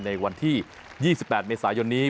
ในวันที่๒๘เมษายนนี้